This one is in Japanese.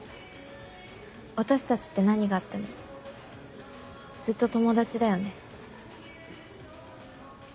私たちって何があってもずっと友達だよね？